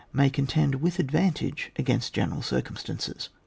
may contend with advantage against general circum stances.